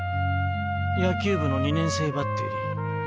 野球部の２年生バッテリー。